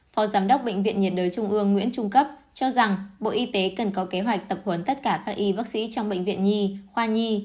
phó giám đốc bệnh viện nhiệt đới trung ương nguyễn trung cấp cho rằng bộ y tế cần có kế hoạch tập huấn tất cả các y bác sĩ trong bệnh viện nhi khoa nhi